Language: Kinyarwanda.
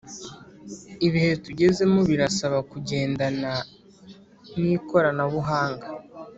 Ibihe tugezemo birasaba kugendana n’ikoranabuhanga